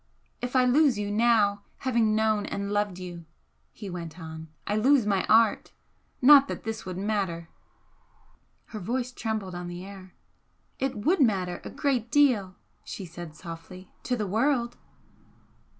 "If I lose you now, having known and loved you," he went on "I lose my art. Not that this would matter " Her voice trembled on the air. "It would matter a great deal" she said, softly "to the world!"